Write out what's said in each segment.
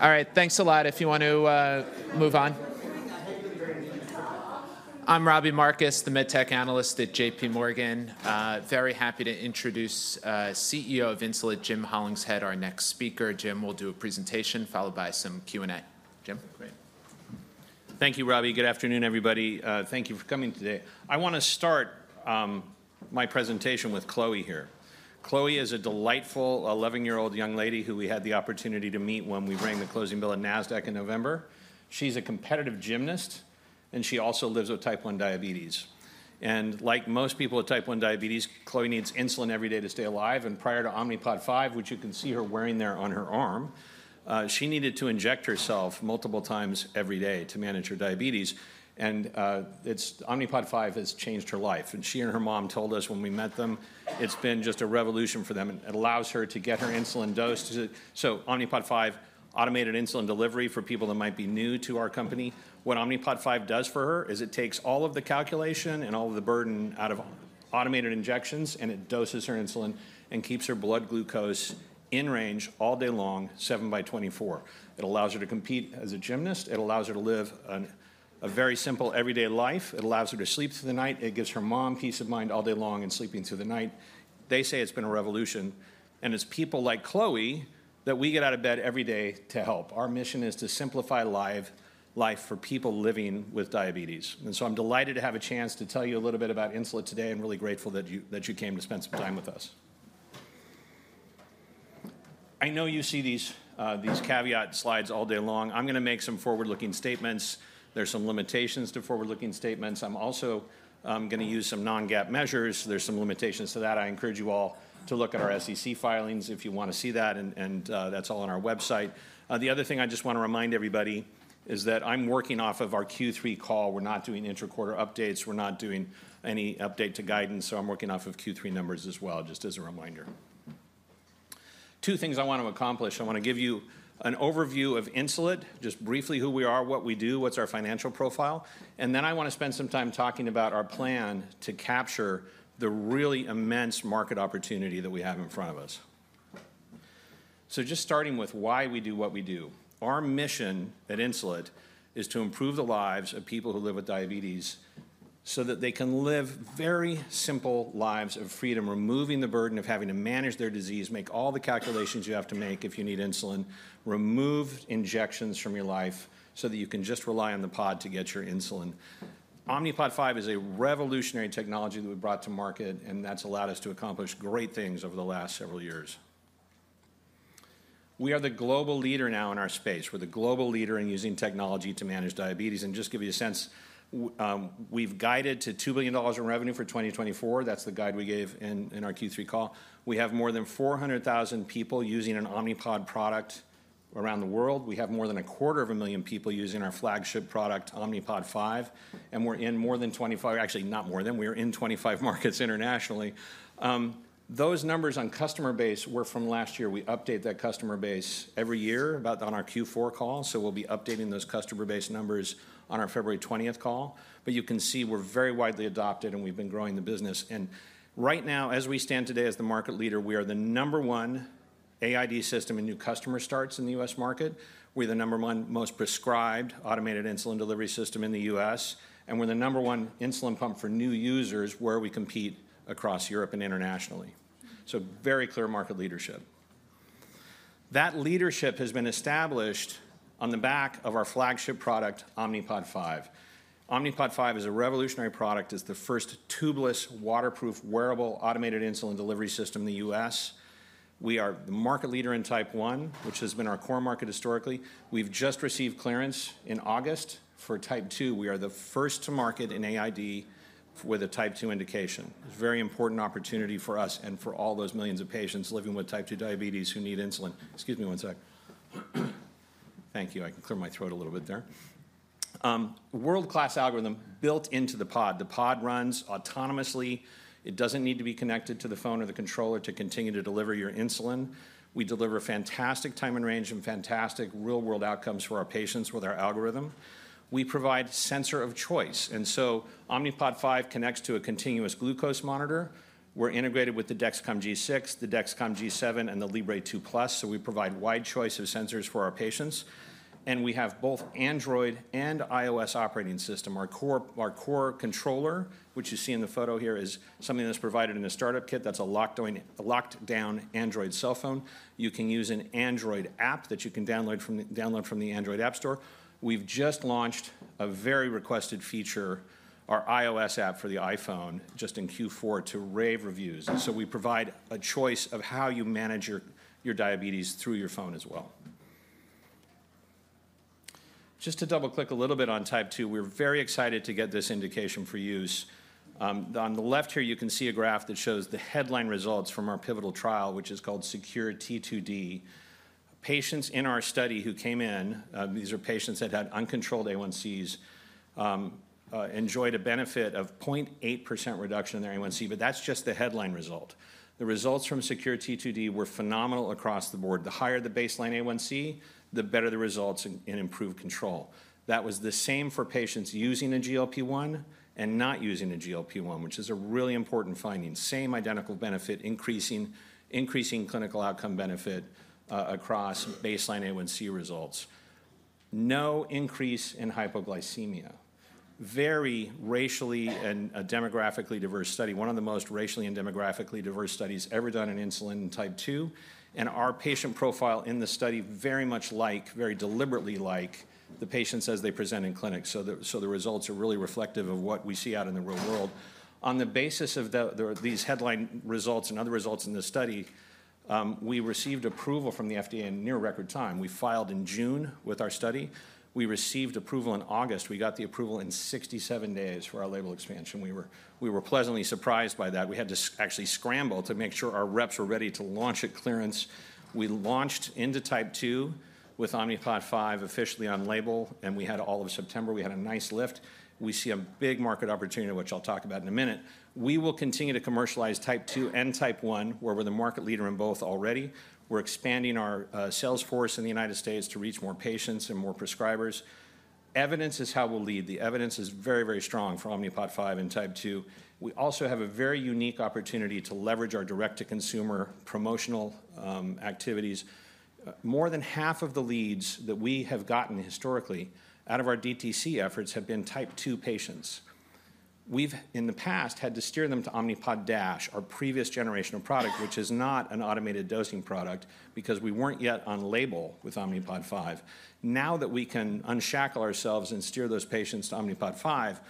All right, thanks a lot. If you want to move on. I'm Robbie Marcus, the Medtech analyst at JPMorgan. Very happy to introduce CEO of Insulet, Jim Hollingshead, our next speaker. Jim will do a presentation followed by some Q&A. Jim? Great. Thank you, Robbie. Good afternoon, everybody. Thank you for coming today. I want to start my presentation with Chloe here. Chloe is a delightful 11-year-old young lady who we had the opportunity to meet when we rang the closing bell at Nasdaq in November. She's a competitive gymnast, and she also lives with Type 1 diabetes. And like most people with Type 1 diabetes, Chloe needs insulin every day to stay alive. And prior to Omnipod 5, which you can see her wearing there on her arm, she needed to inject herself multiple times every day to manage her diabetes. And Omnipod 5 has changed her life. And she and her mom told us when we met them, it's been just a revolution for them. And it allows her to get her insulin dosed. So Omnipod 5, automated insulin delivery for people that might be new to our company. What Omnipod 5 does for her is it takes all of the calculation and all of the burden out of automated injections, and it doses her insulin and keeps her blood glucose in range all day long, 7 by 24. It allows her to compete as a gymnast. It allows her to live a very simple everyday life. It allows her to sleep through the night. It gives her mom peace of mind all day long in sleeping through the night. They say it's been a revolution, and it's people like Chloe that we get out of bed every day to help. Our mission is to simplify life for people living with diabetes, and so I'm delighted to have a chance to tell you a little bit about Insulet today and really grateful that you came to spend some time with us. I know you see these caveat slides all day long. I'm going to make some forward-looking statements. There are some limitations to forward-looking statements. I'm also going to use some non-GAAP measures. There are some limitations to that. I encourage you all to look at our SEC filings if you want to see that. And that's all on our website. The other thing I just want to remind everybody is that I'm working off of our Q3 call. We're not doing intra-quarter updates. We're not doing any update to guidance. So I'm working off of Q3 numbers as well, just as a reminder. Two things I want to accomplish. I want to give you an overview of Insulet, just briefly who we are, what we do, what's our financial profile. And then I want to spend some time talking about our plan to capture the really immense market opportunity that we have in front of us. So just starting with why we do what we do. Our mission at Insulet is to improve the lives of people who live with diabetes so that they can live very simple lives of freedom, removing the burden of having to manage their disease, make all the calculations you have to make if you need insulin, remove injections from your life so that you can just rely on the pod to get your insulin. Omnipod 5 is a revolutionary technology that we brought to market, and that's allowed us to accomplish great things over the last several years. We are the global leader now in our space. We're the global leader in using technology to manage diabetes. Just to give you a sense, we've guided to $2 billion in revenue for 2024. That's the guide we gave in our Q3 call. We have more than 400,000 people using an Omnipod product around the world. We have more than 250,000 people using our flagship product, Omnipod 5. We're in more than 25--actually, not more than--we're in 25 markets internationally. Those numbers on customer base were from last year. We update that customer base every year on our Q4 call. We'll be updating those customer base numbers on our February 20th call. You can see we're very widely adopted, and we've been growing the business. Right now, as we stand today as the market leader, we are the number one AID system in new customer starts in the U.S. market. We're the number one most prescribed automated insulin delivery system in the U.S., and we're the number one insulin pump for new users where we compete across Europe and internationally, so very clear market leadership. That leadership has been established on the back of our flagship product, Omnipod 5. Omnipod 5 is a revolutionary product. It's the first tubeless, waterproof, wearable automated insulin delivery system in the U.S. We are the market leader in Type 1, which has been our core market historically. We've just received clearance in August for Type 2. We are the first to market in AID with a Type 2 indication. It's a very important opportunity for us and for all those millions of patients living with Type 2 diabetes who need insulin. Excuse me one sec. Thank you. I can clear my throat a little bit there. World-class algorithm built into the pod. The pod runs autonomously. It doesn't need to be connected to the phone or the controller to continue to deliver your insulin. We deliver fantastic time in range and fantastic real-world outcomes for our patients with our algorithm. We provide sensor of choice, and so Omnipod 5 connects to a continuous glucose monitor. We're integrated with the Dexcom G6, the Dexcom G7, and the Libre 2 Plus, so we provide a wide choice of sensors for our patients, and we have both Android and iOS operating system. Our core controller, which you see in the photo here, is something that's provided in a startup kit. That's a locked-down Android cell phone. You can use an Android app that you can download from the Android App Store. We've just launched a very requested feature, our iOS app for the iPhone, just in Q4 to rave reviews. And so we provide a choice of how you manage your diabetes through your phone as well. Just to double-click a little bit on Type 2, we're very excited to get this indication for use. On the left here, you can see a graph that shows the headline results from our pivotal trial, which is called SECURE-T2D. Patients in our study who came in, these are patients that had uncontrolled A1Cs, enjoyed a benefit of 0.8% reduction in their A1C. But that's just the headline result. The results from SECURE-T2D were phenomenal across the board. The higher the baseline A1C, the better the results and improved control. That was the same for patients using a GLP-1 and not using a GLP-1, which is a really important finding. Same identical benefit, increasing clinical outcome benefit across baseline A1C results. No increase in hypoglycemia. Very racially and demographically diverse study, one of the most racially and demographically diverse studies ever done in insulin in Type 2, and our patient profile in the study very much like, very deliberately like the patients as they present in clinic, so the results are really reflective of what we see out in the real world. On the basis of these headline results and other results in the study, we received approval from the FDA in near record time. We filed in June with our study. We received approval in August. We got the approval in 67 days for our label expansion. We were pleasantly surprised by that. We had to actually scramble to make sure our reps were ready to launch at clearance. We launched into Type 2 with Omnipod 5 officially on label, and we had all of September. We had a nice lift. We see a big market opportunity, which I'll talk about in a minute. We will continue to commercialize Type 2 and Type 1. We're the market leader in both already. We're expanding our sales force in the United States to reach more patients and more prescribers. Evidence is how we'll lead. The evidence is very, very strong for Omnipod 5 and Type 2. We also have a very unique opportunity to leverage our direct-to-consumer promotional activities. More than half of the leads that we have gotten historically out of our DTC efforts have been Type 2 patients. We've, in the past, had to steer them to Omnipod DASH, our previous generation of product, which is not an automated dosing product because we weren't yet on label with Omnipod 5. Now that we can unshackle ourselves and steer those patients to Omnipod 5,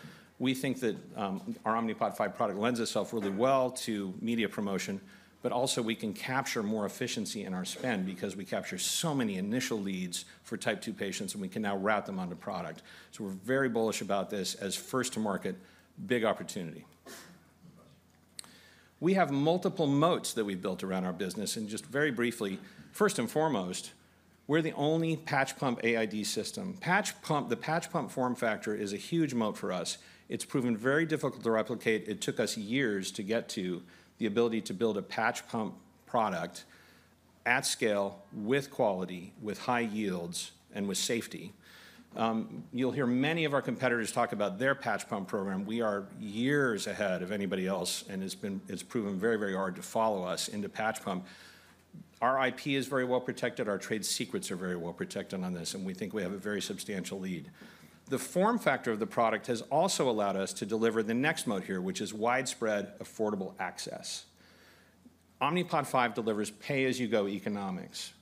we think that our Omnipod 5 product lends itself really well to media promotion. But also, we can capture more efficiency in our spend because we capture so many initial leads for Type 2 patients, and we can now route them onto product. So we're very bullish about this as first-to-market, big opportunity. We have multiple moats that we've built around our business. And just very briefly, first and foremost, we're the only patch pump AID system. The patch pump form factor is a huge moat for us. It's proven very difficult to replicate. It took us years to get to the ability to build a patch pump product at scale, with quality, with high yields, and with safety. You'll hear many of our competitors talk about their patch pump program. We are years ahead of anybody else. And it's proven very, very hard to follow us into patch pump. Our IP is very well protected. Our trade secrets are very well protected on this. And we think we have a very substantial lead. The form factor of the product has also allowed us to deliver the next moat here, which is widespread affordable access. Omnipod 5 delivers pay-as-you-go economics.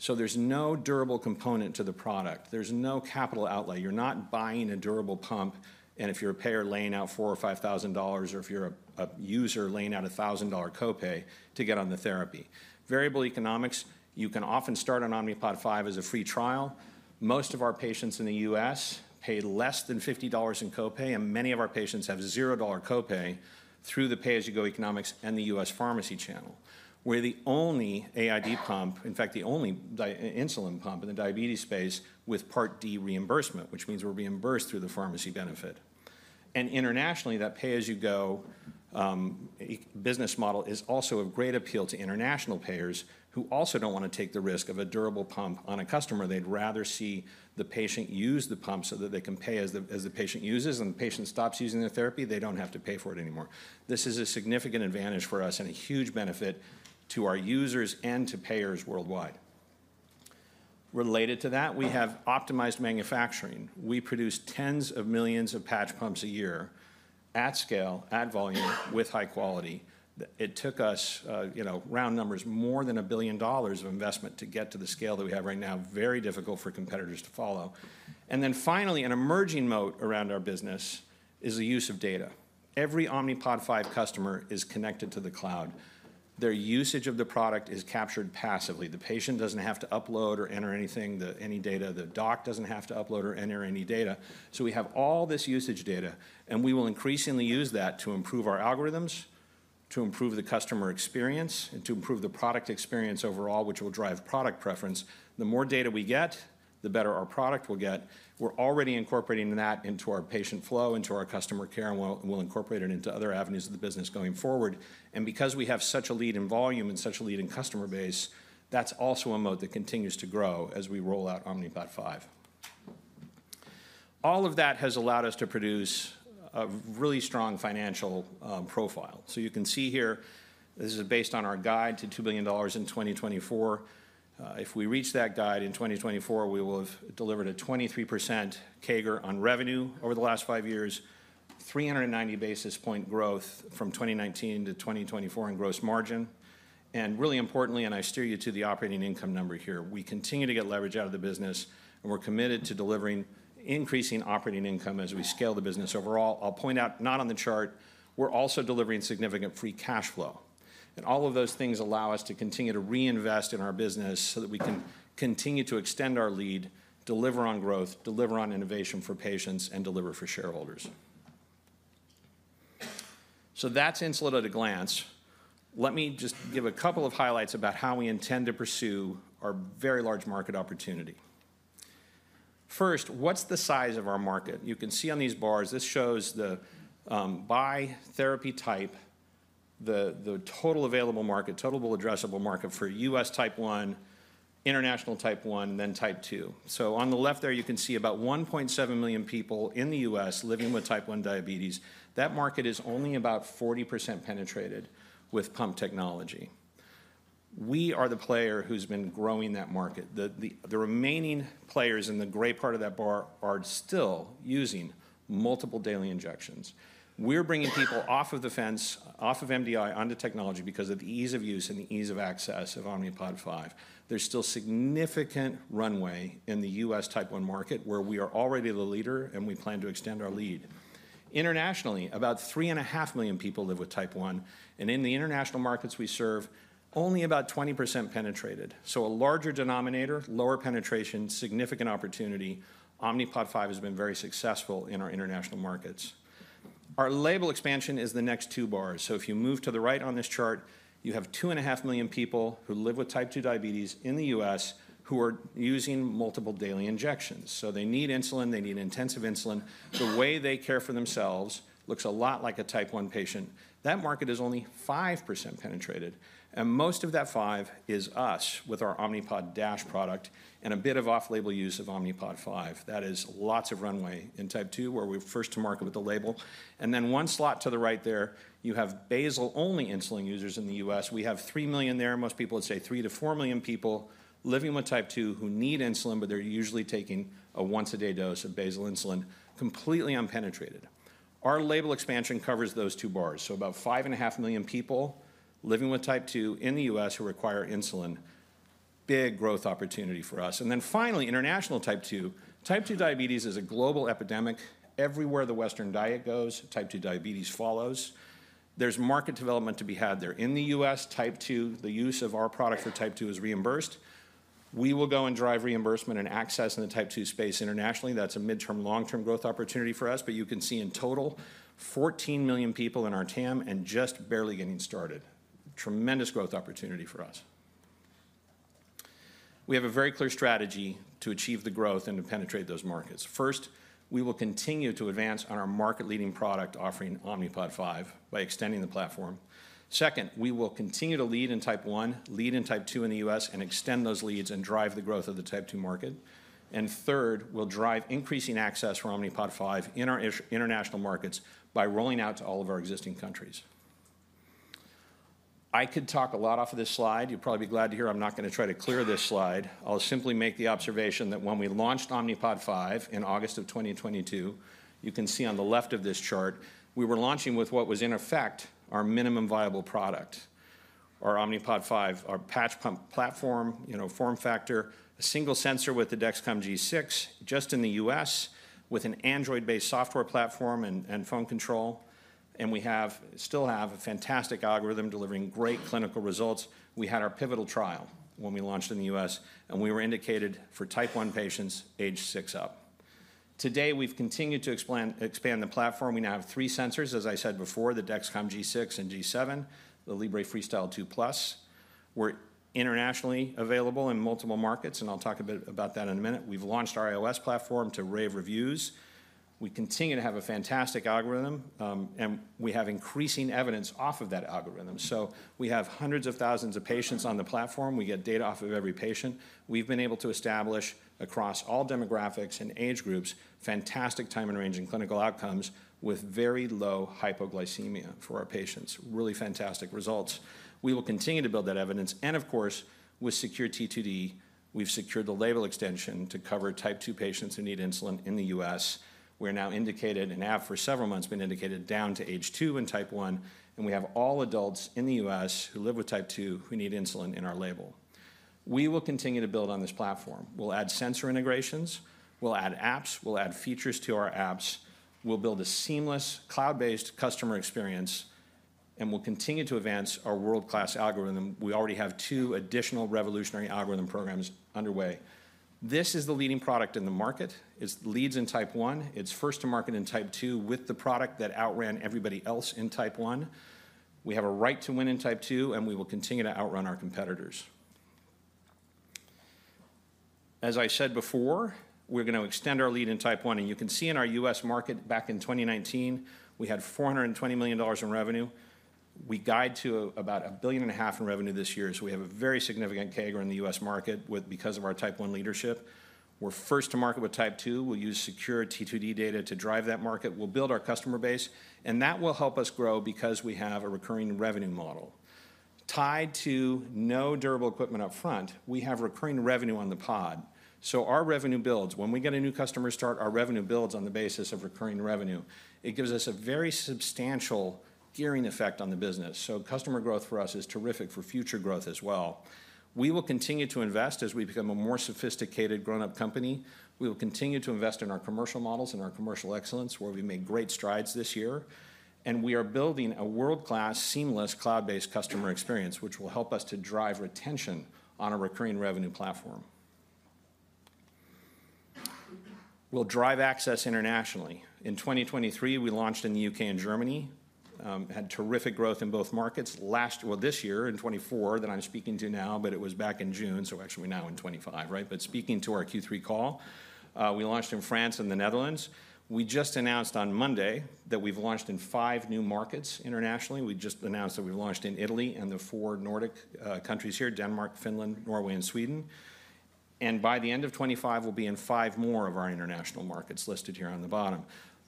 So there's no durable component to the product. There's no capital outlay. You're not buying a durable pump. And if you're a payer laying out $4,000 or $5,000, or if you're a user laying out a $1,000 copay to get on the therapy. Variable economics, you can often start on Omnipod 5 as a free trial. Most of our patients in the U.S. pay less than $50 in copay. Many of our patients have $0 copay through the pay-as-you-go economics and the U.S. pharmacy channel. We're the only AID pump, in fact, the only insulin pump in the diabetes space with Part D reimbursement, which means we're reimbursed through the pharmacy benefit. Internationally, that pay-as-you-go business model is also of great appeal to international payers who also don't want to take the risk of a durable pump on a customer. They'd rather see the patient use the pump so that they can pay as the patient uses. The patient stops using their therapy, they don't have to pay for it anymore. This is a significant advantage for us and a huge benefit to our users and to payers worldwide. Related to that, we have optimized manufacturing. We produce tens of millions of patch pumps a year at scale, at volume, with high quality. It took us, round numbers, more than $1 billion of investment to get to the scale that we have right now, very difficult for competitors to follow, and then finally, an emerging moat around our business is the use of data. Every Omnipod 5 customer is connected to the cloud. Their usage of the product is captured passively. The patient doesn't have to upload or enter anything, any data. The doc doesn't have to upload or enter any data. So we have all this usage data, and we will increasingly use that to improve our algorithms, to improve the customer experience, and to improve the product experience overall, which will drive product preference. The more data we get, the better our product will get. We're already incorporating that into our patient flow, into our customer care, and we'll incorporate it into other avenues of the business going forward. And because we have such a lead in volume and such a lead in customer base, that's also a moat that continues to grow as we roll out Omnipod 5. All of that has allowed us to produce a really strong financial profile. So you can see here, this is based on our guide to $2 billion in 2024. If we reach that guide in 2024, we will have delivered a 23% CAGR on revenue over the last five years, 390 basis point growth from 2019 to 2024 in gross margin. And really importantly, and I steer you to the operating income number here, we continue to get leverage out of the business. And we're committed to delivering increasing operating income as we scale the business overall. I'll point out, not on the chart, we're also delivering significant free cash flow. And all of those things allow us to continue to reinvest in our business so that we can continue to extend our lead, deliver on growth, deliver on innovation for patients, and deliver for shareholders. So that's Insulet at a glance. Let me just give a couple of highlights about how we intend to pursue our very large market opportunity. First, what's the size of our market? You can see on these bars, this shows the by therapy type, the total available market, total addressable market for U.S. Type 1, international Type 1, then Type 2. So on the left there, you can see about 1.7 million people in the U.S. living with Type 1 diabetes. That market is only about 40% penetrated with pump technology. We are the player who's been growing that market. The remaining players in the gray part of that bar are still using multiple daily injections. We're bringing people off of the fence, off of MDI, onto technology because of the ease of use and the ease of access of Omnipod 5. There's still significant runway in the U.S. Type 1 market where we are already the leader, and we plan to extend our lead. Internationally, about 3.5 million people live with Type 1, and in the international markets we serve, only about 20% penetration. So a larger denominator, lower penetration, significant opportunity. Omnipod 5 has been very successful in our international markets. Our label expansion is the next two bars, so if you move to the right on this chart, you have 2.5 million people who live with Type 2 diabetes in the U.S. who are using multiple daily injections, so they need insulin. They need intensive insulin. The way they care for themselves looks a lot like a Type 1 patient. That market is only 5% penetrated. And most of that 5% is us with our Omnipod DASH product and a bit of off-label use of Omnipod 5. That is lots of runway in Type 2 where we're first to market with the label. And then one slot to the right there, you have basal-only insulin users in the U.S. We have three million there. Most people would say three to four million people living with Type 2 who need insulin, but they're usually taking a once-a-day dose of basal insulin, completely unpenetrated. Our label expansion covers those two bars. So about 5.5 million people living with Type 2 in the U.S. who require insulin, big growth opportunity for us. And then finally, international Type 2. Type 2 diabetes is a global epidemic. Everywhere the Western diet goes, Type 2 diabetes follows. There's market development to be had there in the U.S. Type 2, the use of our product for Type 2 is reimbursed. We will go and drive reimbursement and access in the Type 2 space internationally. That's a midterm, long-term growth opportunity for us. But you can see in total, 14 million people in our TAM and just barely getting started. Tremendous growth opportunity for us. We have a very clear strategy to achieve the growth and to penetrate those markets. First, we will continue to advance on our market-leading product offering, Omnipod 5, by extending the platform. Second, we will continue to lead in Type 1, lead in Type 2 in the U.S., and extend those leads and drive the growth of the Type 2 market. Third, we'll drive increasing access for Omnipod 5 in our international markets by rolling out to all of our existing countries. I could talk a lot off of this slide. You'll probably be glad to hear I'm not going to try to cover this slide. I'll simply make the observation that when we launched Omnipod 5 in August of 2022, you can see on the left of this chart, we were launching with what was, in effect, our minimum viable product, our Omnipod 5, our patch pump platform, form factor, a single sensor with the Dexcom G6 just in the U.S. with an Android-based software platform and phone control, and we still have a fantastic algorithm delivering great clinical results. We had our pivotal trial when we launched in the U.S., and we were indicated for Type 1 patients age six up. Today, we've continued to expand the platform. We now have three sensors, as I said before, the Dexcom G6 and Dexcom G7, the FreeStyle Libre 2 Plus. We're internationally available in multiple markets, and I'll talk a bit about that in a minute. We've launched our iOS platform to rave reviews. We continue to have a fantastic algorithm, and we have increasing evidence off of that algorithm, so we have hundreds of thousands of patients on the platform. We get data off of every patient. We've been able to establish across all demographics and age groups fantastic time in range in clinical outcomes with very low hypoglycemia for our patients, really fantastic results. We will continue to build that evidence, and of course, with SECURE-T2D, we've secured the label extension to cover Type 2 patients who need insulin in the U.S. We're now indicated and have for several months been indicated down to age two and Type 1, and we have all adults in the U.S. who live with Type 2 who need insulin in our label. We will continue to build on this platform. We'll add sensor integrations. We'll add apps. We'll add features to our apps. We'll build a seamless cloud-based customer experience, and we'll continue to advance our world-class algorithm. We already have two additional revolutionary algorithm programs underway. This is the leading product in the market. It leads in Type 1. It's first to market in Type 2 with the product that outran everybody else in Type 1. We have a right to win in Type 2, and we will continue to outrun our competitors. As I said before, we're going to extend our lead in Type 1, and you can see in our U.S. market back in 2019, we had $420 million in revenue. We guide to about $1.5 billion in revenue this year, so we have a very significant CAGR in the U.S. market because of our Type 1 leadership. We're first to market with Type 2. We'll use SECURE-T2D data to drive that market. We'll build our customer base, and that will help us grow because we have a recurring revenue model. Tied to no durable equipment upfront, we have recurring revenue on the pod. So our revenue builds. When we get a new customer start, our revenue builds on the basis of recurring revenue. It gives us a very substantial gearing effect on the business. So customer growth for us is terrific for future growth as well. We will continue to invest as we become a more sophisticated grown-up company. We will continue to invest in our commercial models and our commercial excellence where we've made great strides this year. And we are building a world-class seamless cloud-based customer experience, which will help us to drive retention on a recurring revenue platform. We'll drive access internationally. In 2023, we launched in the U.K. and Germany. Had terrific growth in both markets. Well, this year in 2024 that I'm speaking to now, but it was back in June. So actually, we're now in 2025, right? But speaking to our Q3 call, we launched in France and the Netherlands. We just announced on Monday that we've launched in five new markets internationally. We just announced that we've launched in Italy and the four Nordic countries here, Denmark, Finland, Norway, and Sweden. And by the end of 2025, we'll be in five more of our international markets listed here on the bottom.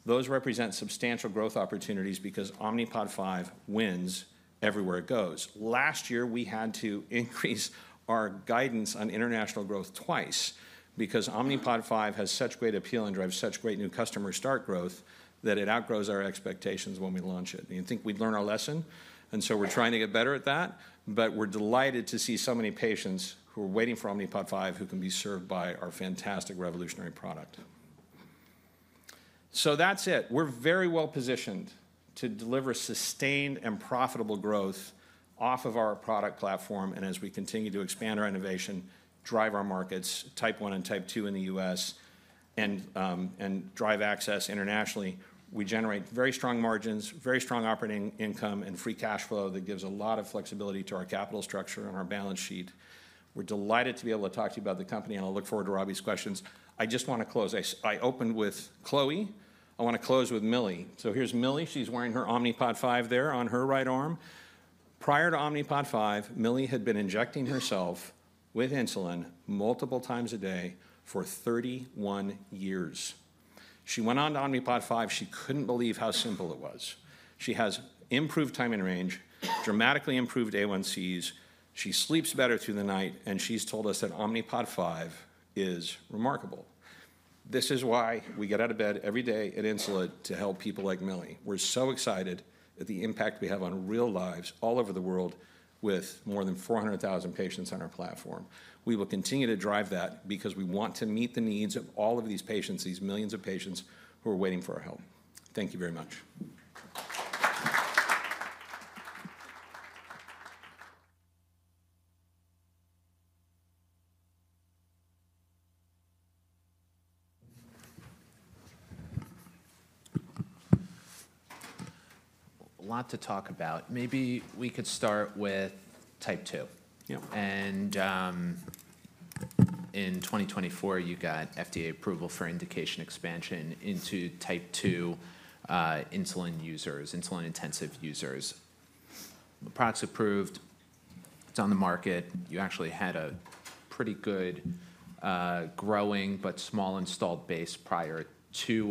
Those represent substantial growth opportunities because Omnipod 5 wins everywhere it goes. Last year, we had to increase our guidance on international growth twice because Omnipod 5 has such great appeal and drives such great new customer start growth that it outgrows our expectations when we launch it. And you think we'd learn our lesson. And so we're trying to get better at that. But we're delighted to see so many patients who are waiting for Omnipod 5 who can be served by our fantastic revolutionary product. So that's it. We're very well positioned to deliver sustained and profitable growth off of our product platform. As we continue to expand our innovation, drive our markets, Type 1 and Type 2 in the U.S., and drive access internationally, we generate very strong margins, very strong operating income, and free cash flow that gives a lot of flexibility to our capital structure and our balance sheet. We're delighted to be able to talk to you about the company. I'll look forward to Robbie's questions. I just want to close. I opened with Chloe. I want to close with Millie. Here's Millie. She's wearing her Omnipod 5 there on her right arm. Prior to Omnipod 5, Millie had been injecting herself with insulin multiple times a day for 31 years. She went on to Omnipod 5. She couldn't believe how simple it was. She has improved time in range, dramatically improved A1Cs. She sleeps better through the night. And she's told us that Omnipod 5 is remarkable. This is why we get out of bed every day at Insulet to help people like Millie. We're so excited at the impact we have on real lives all over the world with more than 400,000 patients on our platform. We will continue to drive that because we want to meet the needs of all of these patients, these millions of patients who are waiting for our help. Thank you very much. A lot to talk about. Maybe we could start with Type 2. And in 2024, you got FDA approval for indication expansion into Type 2 insulin users, insulin-intensive users. The product's approved. It's on the market. You actually had a pretty good growing but small installed base prior to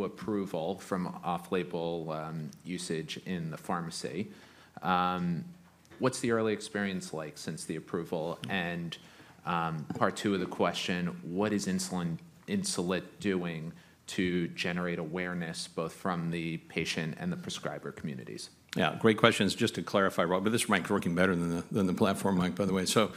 approval from off-label usage in the pharmacy. What's the early experience like since the approval? And part two of the question, what is Insulet doing to generate awareness both from the patient and the prescriber communities? Yeah, great questions. Just to clarify, Rob, but this mic's working better than the platform mic, by the way. So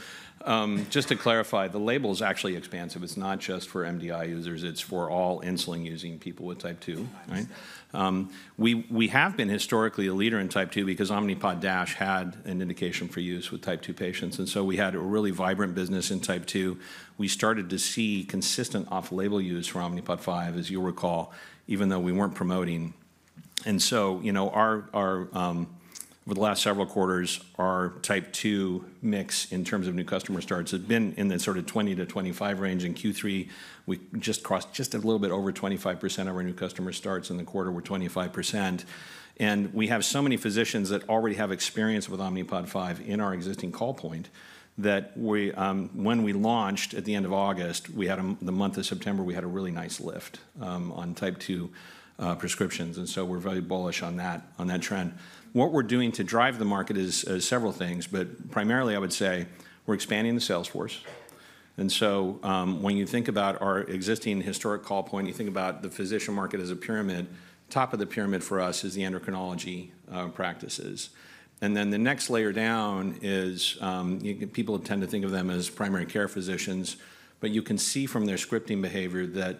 just to clarify, the label's actually expansive. It's not just for MDI users. It's for all insulin-using people with Type 2, right? We have been historically a leader in Type 2 because Omnipod DASH had an indication for use with Type 2 patients. And so we had a really vibrant business in Type 2. We started to see consistent off-label use for Omnipod 5, as you'll recall, even though we weren't promoting. And so over the last several quarters, our Type 2 mix in terms of new customer starts has been in the sort of 20-25 range. In Q3, we just crossed just a little bit over 25% of our new customer starts. In the quarter, we're 25%. And we have so many physicians that already have experience with Omnipod 5 in our existing call point that when we launched at the end of August, the month of September, we had a really nice lift on Type 2 prescriptions. And so we're very bullish on that trend. What we're doing to drive the market is several things. But primarily, I would say we're expanding the sales force. And so when you think about our existing historic call point, you think about the physician market as a pyramid. Top of the pyramid for us is the endocrinology practices. And then the next layer down is people tend to think of them as primary care physicians. You can see from their scripting behavior that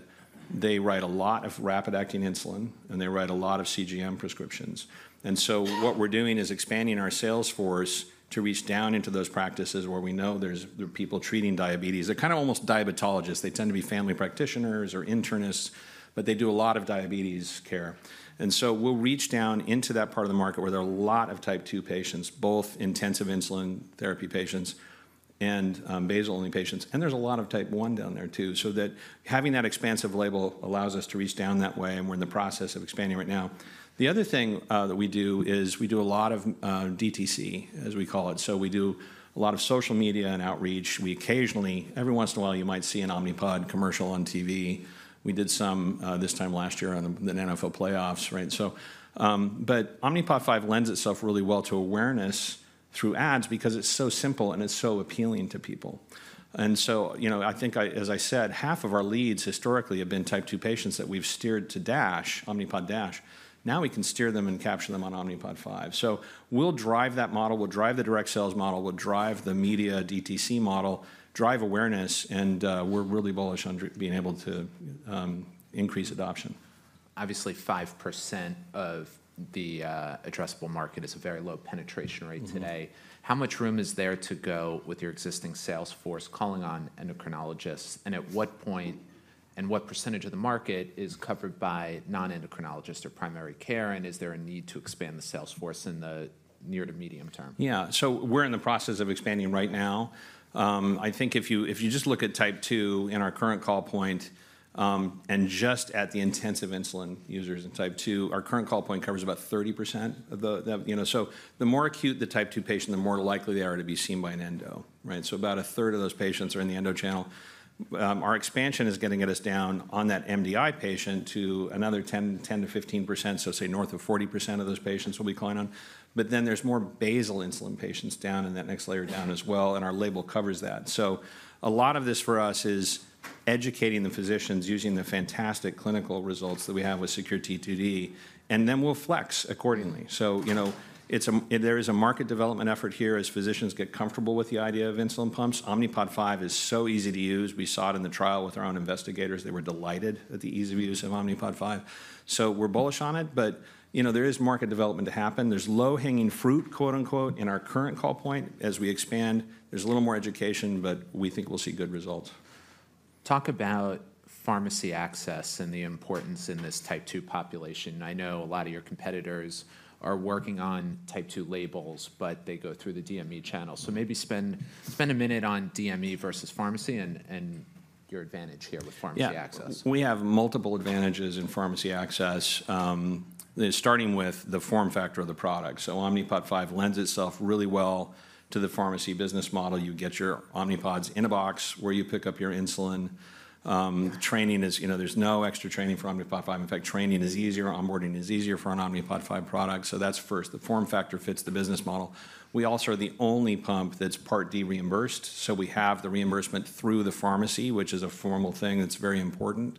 they write a lot of rapid-acting insulin, and they write a lot of CGM prescriptions. What we're doing is expanding our sales force to reach down into those practices where we know there are people treating diabetes. They're kind of almost diabetologists. They tend to be family practitioners or internists, but they do a lot of diabetes care. We'll reach down into that part of the market where there are a lot of Type 2 patients, both intensive insulin therapy patients and basal-only patients. There's a lot of Type 1 down there too. Having that expansive label allows us to reach down that way. We're in the process of expanding right now. The other thing that we do is we do a lot of DTC, as we call it. So we do a lot of social media and outreach. Every once in a while, you might see an Omnipod commercial on TV. We did some this time last year on the NFL playoffs, right? But Omnipod 5 lends itself really well to awareness through ads because it's so simple and it's so appealing to people. And so I think, as I said, half of our leads historically have been Type 2 patients that we've steered to DASH, Omnipod DASH. Now we can steer them and capture them on Omnipod 5. So we'll drive that model. We'll drive the direct sales model. We'll drive the media DTC model, drive awareness. And we're really bullish on being able to increase adoption. Obviously, 5% of the addressable market is a very low penetration rate today. How much room is there to go with your existing sales force calling on endocrinologists? And at what point and what percentage of the market is covered by non-endocrinologists or primary care? And is there a need to expand the sales force in the near to medium term? Yeah. So we're in the process of expanding right now. I think if you just look at Type 2 in our current call point and just at the intensive insulin users in Type 2, our current call point covers about 30% of the. So the more acute the Type 2 patient, the more likely they are to be seen by an endo, right? So about a third of those patients are in the endo channel. Our expansion is going to get us down on that MDI patient to another 10%-15%. So say north of 40% of those patients we'll be calling on. But then there's more basal insulin patients down in that next layer down as well. And our label covers that. So a lot of this for us is educating the physicians using the fantastic clinical results that we have with SECURE-T2D. And then we'll flex accordingly. So there is a market development effort here as physicians get comfortable with the idea of insulin pumps. Omnipod 5 is so easy to use. We saw it in the trial with our own investigators. They were delighted at the ease of use of Omnipod 5. So we're bullish on it. But there is market development to happen. There's low-hanging fruit, quote unquote, in our current call point. As we expand, there's a little more education, but we think we'll see good results. Talk about pharmacy access and the importance in this Type 2 population. I know a lot of your competitors are working on Type 2 labels, but they go through the DME channel. So maybe spend a minute on DME versus pharmacy and your advantage here with pharmacy access. Yeah. We have multiple advantages in pharmacy access, starting with the form factor of the product. So Omnipod 5 lends itself really well to the pharmacy business model. You get your Omnipods in a box where you pick up your insulin. There's no extra training for Omnipod 5. In fact, training is easier. Onboarding is easier for an Omnipod 5 product. So that's first. The form factor fits the business model. We also are the only pump that's Part D reimbursed. So we have the reimbursement through the pharmacy, which is a formal thing that's very important.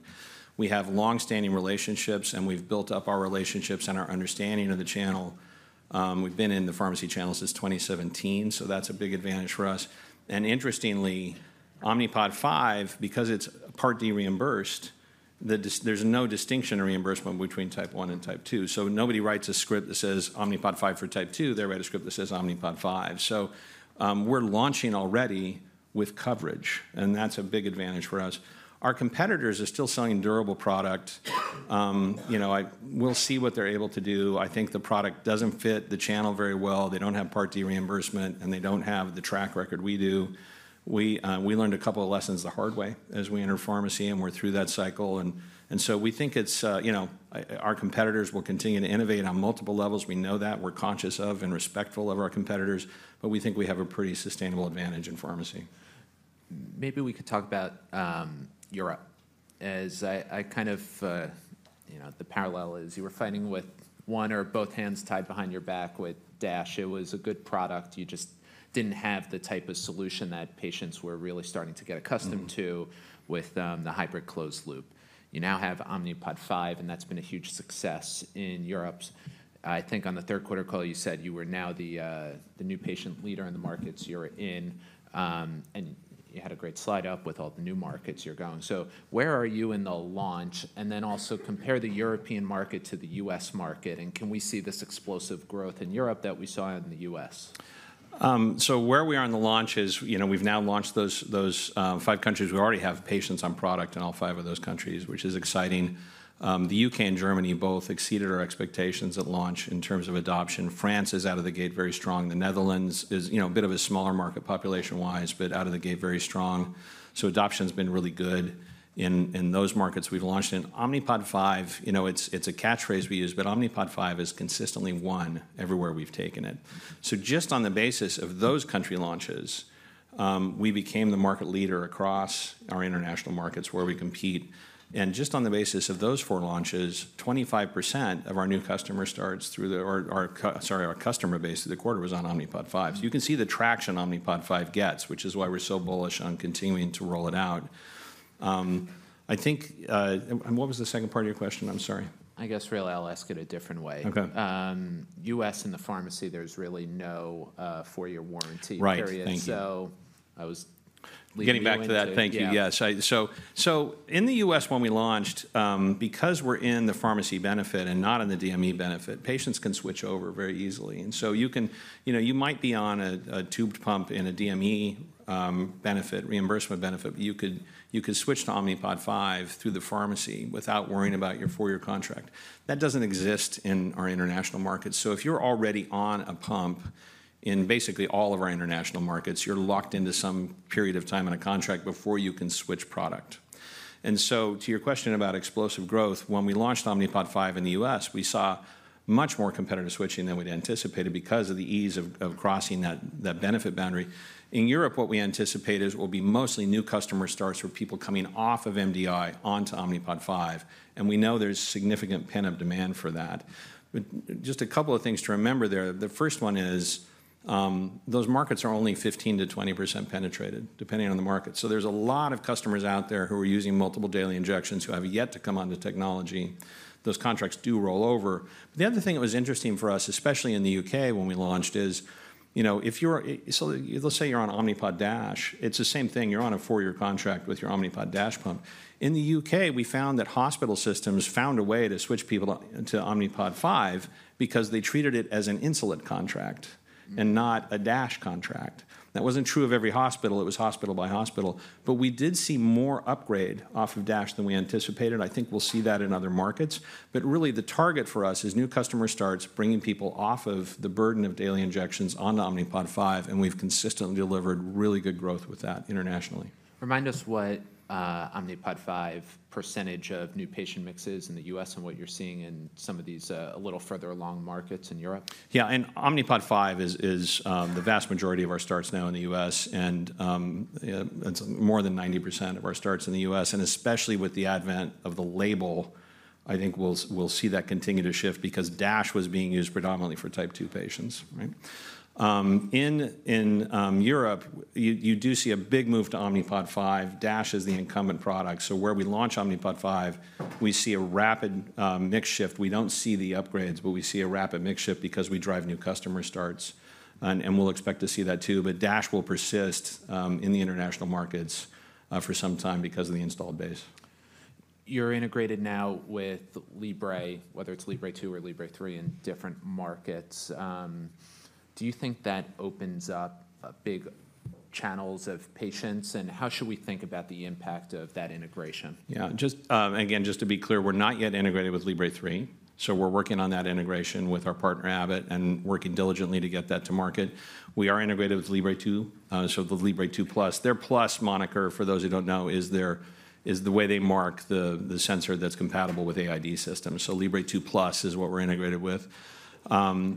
We have long-standing relationships, and we've built up our relationships and our understanding of the channel. We've been in the pharmacy channel since 2017. So that's a big advantage for us. And interestingly, Omnipod 5, because it's Part D reimbursed, there's no distinction or reimbursement between Type 1 and Type 2. So nobody writes a script that says Omnipod 5 for Type 2. They write a script that says Omnipod 5. So we're launching already with coverage. And that's a big advantage for us. Our competitors are still selling durable product. We'll see what they're able to do. I think the product doesn't fit the channel very well. They don't have Part D reimbursement, and they don't have the track record we do. We learned a couple of lessons the hard way as we entered pharmacy and were through that cycle. And so we think our competitors will continue to innovate on multiple levels. We know that. We're conscious of and respectful of our competitors. But we think we have a pretty sustainable advantage in pharmacy. Maybe we could talk about Europe. The parallel is you were fighting with one or both hands tied behind your back with DASH. It was a good product. You just didn't have the type of solution that patients were really starting to get accustomed to with the hybrid closed loop. You now have Omnipod 5, and that's been a huge success in Europe. I think on the third quarter call, you said you were now the new patient leader in the markets you're in. And you had a great slide up with all the new markets you're going. So where are you in the launch? And then also compare the European market to the U.S. market. And can we see this explosive growth in Europe that we saw in the U.S.? Where we are in the launch is we've now launched those five countries. We already have patients on product in all five of those countries, which is exciting. The U.K. and Germany both exceeded our expectations at launch in terms of adoption. France is out of the gate very strong. The Netherlands is a bit of a smaller market population-wise, but out of the gate very strong. So adoption has been really good in those markets we've launched. Omnipod 5, it's a catchphrase we use, but Omnipod 5 is consistently one everywhere we've taken it. Just on the basis of those country launches, we became the market leader across our international markets where we compete. Just on the basis of those four launches, 25% of our new customer starts through our customer base. The quarter was on Omnipod 5. So you can see the traction Omnipod 5 gets, which is why we're so bullish on continuing to roll it out. I think, and what was the second part of your question? I'm sorry. I guess really I'll ask it a different way. U.S. and the pharmacy, there's really no four-year warranty period. So I was leaving that. Getting back to that, thank you. Yes. So in the U.S., when we launched, because we're in the pharmacy benefit and not in the DME benefit, patients can switch over very easily. And so you might be on a tubed pump in a DME benefit, reimbursement benefit, but you could switch to Omnipod 5 through the pharmacy without worrying about your four-year contract. That doesn't exist in our international markets. So if you're already on a pump in basically all of our international markets, you're locked into some period of time in a contract before you can switch product. And so to your question about explosive growth, when we launched Omnipod 5 in the U.S., we saw much more competitive switching than we'd anticipated because of the ease of crossing that benefit boundary. In Europe, what we anticipate is it will be mostly new customer starts or people coming off of MDI onto Omnipod 5. And we know there's significant pent-up demand for that. Just a couple of things to remember there. The first one is those markets are only 15%-20% penetrated, depending on the market. So there's a lot of customers out there who are using multiple daily injections who have yet to come onto technology. Those contracts do roll over. The other thing that was interesting for us, especially in the U.K. when we launched, is if you're, let's say you're on Omnipod DASH, it's the same thing. You're on a four-year contract with your Omnipod DASH pump. In the U.K., we found that hospital systems found a way to switch people to Omnipod 5 because they treated it as an insulin contract and not a DASH contract. That wasn't true of every hospital. It was hospital by hospital. But we did see more upgrade off of DASH than we anticipated. I think we'll see that in other markets. But really, the target for us is new customer starts, bringing people off of the burden of daily injections on Omnipod 5. And we've consistently delivered really good growth with that internationally. Remind us what Omnipod 5 percentage of new patient mixes in the U.S.? and what you're seeing in some of these a little further along markets in Europe. Yeah. And Omnipod 5 is the vast majority of our starts now in the U.S. And it's more than 90% of our starts in the U.S. And especially with the advent of the label, I think we'll see that continue to shift because DASH was being used predominantly for Type 2 patients, right? In Europe, you do see a big move to Omnipod 5. DASH is the incumbent product. So where we launch Omnipod 5, we see a rapid mix shift. We don't see the upgrades, but we see a rapid mix shift because we drive new customer starts. And we'll expect to see that too. But DASH will persist in the international markets for some time because of the installed base. You're integrated now with Libre, whether it's Libre 2 or Libre 3 in different markets. Do you think that opens up big channels of patients? And how should we think about the impact of that integration? Yeah. Again, just to be clear, we're not yet integrated with Libre 3, so we're working on that integration with our partner, Abbott, and working diligently to get that to market. We are integrated with Libre 2, so the Libre 2 Plus, their Plus moniker, for those who don't know, is the way they mark the sensor that's compatible with AID systems, so Libre 2 Plus is what we're integrated with.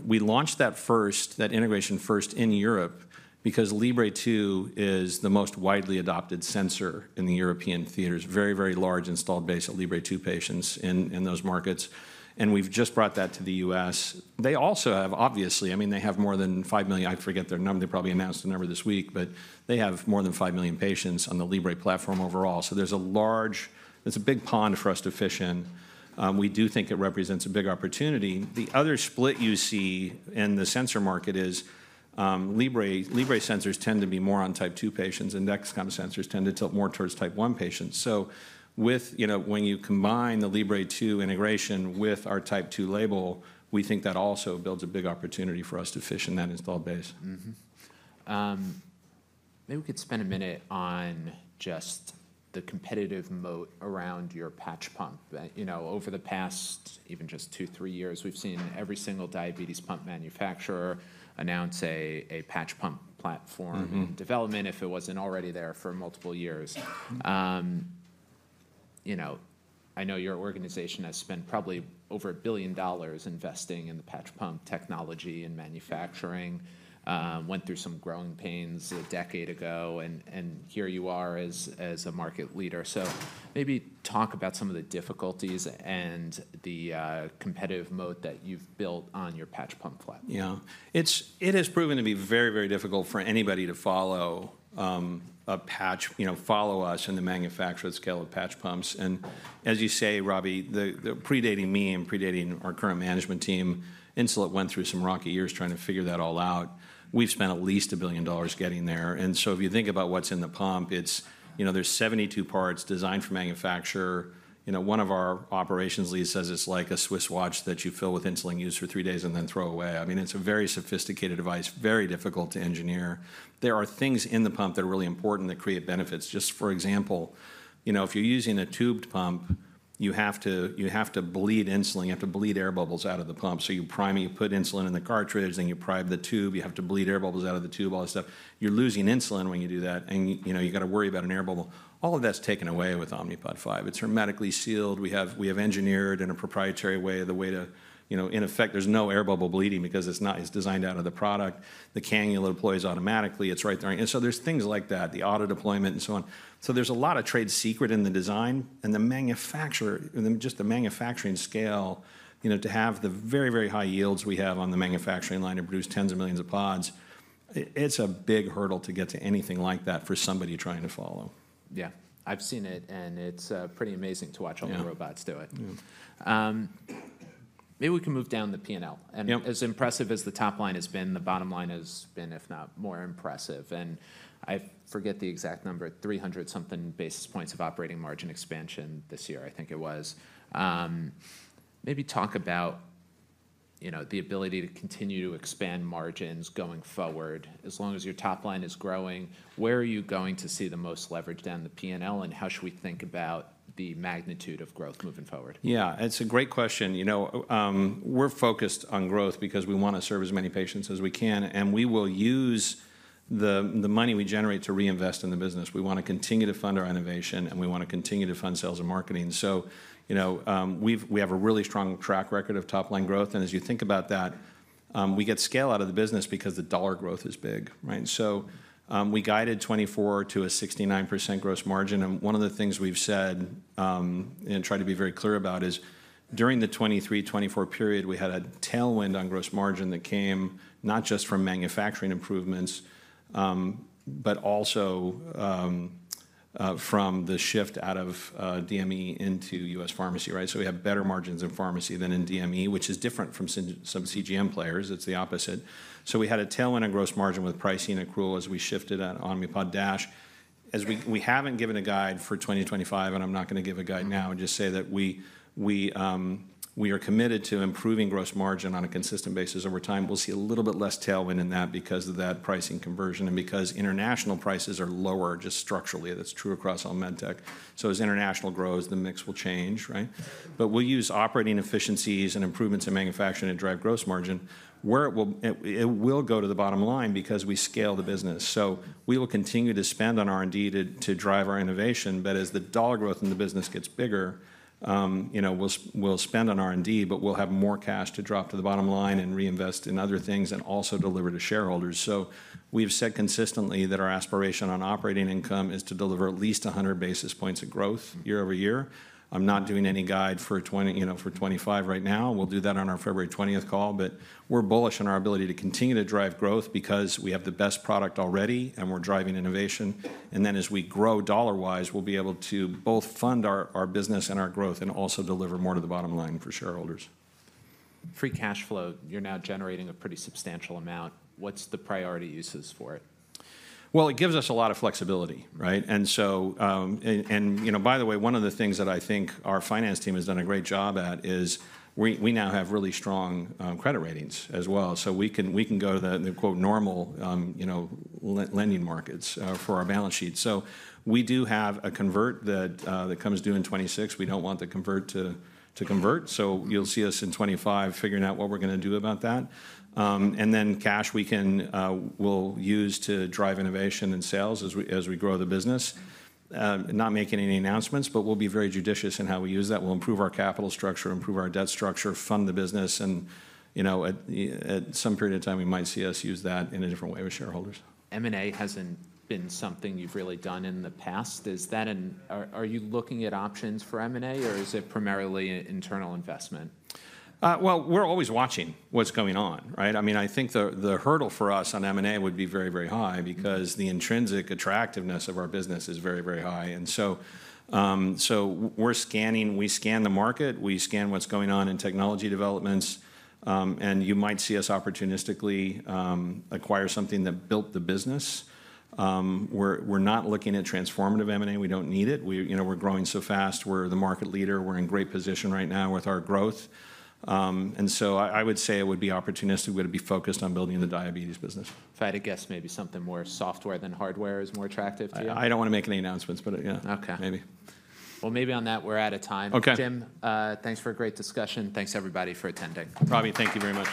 We launched that integration first in Europe because Libre 2 is the most widely adopted sensor in the European theaters. Very, very large installed base of Libre 2 patients in those markets, and we've just brought that to the U.S. They also have, obviously, I mean, they have more than five million. I forget their number. They probably announced the number this week. But they have more than five million patients on the Libre platform overall. So there's a big pond for us to fish in. We do think it represents a big opportunity. The other split you see in the sensor market is Libre sensors tend to be more on Type 2 patients, and Dexcom sensors tend to tilt more towards Type 1 patients. So when you combine the Libre 2 integration with our Type 2 label, we think that also builds a big opportunity for us to fish in that installed base. Maybe we could spend a minute on just the competitive moat around your patch pump. Over the past, even just two, three years, we've seen every single diabetes pump manufacturer announce a patch pump platform development if it wasn't already there for multiple years. I know your organization has spent probably over $1 billion investing in the patch pump technology and manufacturing. Went through some growing pains a decade ago. And here you are as a market leader. So maybe talk about some of the difficulties and the competitive moat that you've built on your patch pump platform. Yeah. It has proven to be very, very difficult for anybody to follow us in the manufacturing scale of patch pumps. And as you say, Robbie, predating me and predating our current management team, Insulet went through some rocky years trying to figure that all out. We've spent at least $1 billion getting there. And so if you think about what's in the pump, there's 72 parts designed for manufacture. One of our operations leads says it's like a Swiss watch that you fill with insulin used for three days and then throw away. I mean, it's a very sophisticated device, very difficult to engineer. There are things in the pump that are really important that create benefits. Just for example, if you're using a tubed pump, you have to bleed insulin. You have to bleed air bubbles out of the pump. So you prime it. You put insulin in the cartridge, then you prime the tube. You have to bleed air bubbles out of the tube, all this stuff. You're losing insulin when you do that. And you've got to worry about an air bubble. All of that's taken away with Omnipod 5. It's hermetically sealed. We have engineered in a proprietary way the way to, in effect, there's no air bubble bleeding because it's designed out of the product. The cannula deploys automatically. It's right there, and so there's things like that, the auto deployment and so on, so there's a lot of trade secret in the design. And just the manufacturing scale, to have the very, very high yields we have on the manufacturing line to produce tens of millions of pods, it's a big hurdle to get to anything like that for somebody trying to follow. Yeah. I've seen it, and it's pretty amazing to watch all the robots do it. Maybe we can move down the P&L, and as impressive as the top line has been, the bottom line has been, if not more impressive. And I forget the exact number, 300-something basis points of operating margin expansion this year, I think it was. Maybe talk about the ability to continue to expand margins going forward. As long as your top line is growing, where are you going to see the most leverage down the P&L? And how should we think about the magnitude of growth moving forward? Yeah. It's a great question. We're focused on growth because we want to serve as many patients as we can. And we will use the money we generate to reinvest in the business. We want to continue to fund our innovation. And we want to continue to fund sales and marketing. So we have a really strong track record of top-line growth. And as you think about that, we get scale out of the business because the dollar growth is big. So we guided 2024 to a 69% gross margin. And one of the things we've said and tried to be very clear about is during the 2023, 2024 period, we had a tailwind on gross margin that came not just from manufacturing improvements, but also from the shift out of DME into U.S. pharmacy. So we have better margins in pharmacy than in DME, which is different from some CGM players. It's the opposite. So we had a tailwind on gross margin with pricing accrual as we shifted on Omnipod DASH. We haven't given a guide for 2025. And I'm not going to give a guide now and just say that we are committed to improving gross margin on a consistent basis over time. We'll see a little bit less tailwind in that because of that pricing conversion and because international prices are lower just structurally. That's true across all med tech, so as international grows, the mix will change, but we'll use operating efficiencies and improvements in manufacturing to drive gross margin. It will go to the bottom line because we scale the business, so we will continue to spend on R&D to drive our innovation, but as the dollar growth in the business gets bigger, we'll spend on R&D, but we'll have more cash to drop to the bottom line and reinvest in other things and also deliver to shareholders, so we've said consistently that our aspiration on operating income is to deliver at least 100 basis points of growth year-over-year. I'm not doing any guide for 2025 right now. We'll do that on our February 20th call, but we're bullish on our ability to continue to drive growth because we have the best product already, and we're driving innovation. And then as we grow dollar-wise, we'll be able to both fund our business and our growth and also deliver more to the bottom line for shareholders. Free cash flow, you're now generating a pretty substantial amount. What's the priority uses for it? Well, it gives us a lot of flexibility. And by the way, one of the things that I think our finance team has done a great job at is we now have really strong credit ratings as well. So we can go to the "normal" lending markets for our balance sheet. So we do have a convert that comes due in 2026. We don't want the convert to convert. So you'll see us in 2025 figuring out what we're going to do about that. And then cash we'll use to drive innovation and sales as we grow the business. Not making any announcements, but we'll be very judicious in how we use that. We'll improve our capital structure, improve our debt structure, fund the business, and at some period of time, we might see us use that in a different way with shareholders. M&A hasn't been something you've really done in the past. Are you looking at options for M&A? Or is it primarily an internal investment? Well, we're always watching what's going on. I mean, I think the hurdle for us on M&A would be very, very high because the intrinsic attractiveness of our business is very, very high, and so we scan the market. We scan what's going on in technology developments, and you might see us opportunistically acquire something that built the business. We're not looking at transformative M&A. We don't need it. We're growing so fast. We're the market leader. We're in great position right now with our growth, and so I would say it would be opportunistic. We'd be focused on building the diabetes business. If I had to guess, maybe something more software than hardware is more attractive to you? I don't want to make any announcements, but yeah, maybe, well, maybe on that, we're out of time. Jim, thanks for a great discussion. Thanks, everybody, for attending. Robbie, thank you very much.